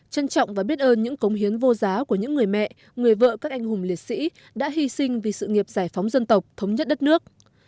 trân trọng và biết ơn những cống hiến vô giá của những người mẹ người vợ các anh hùng liệt sĩ đã hy sinh vì sự nghiệp giải phóng dân tộc thống nhất đất nước